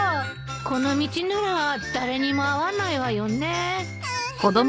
この道なら誰にも会わないわよね。